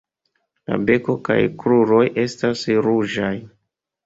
La beko kaj kruroj estas ruĝaj.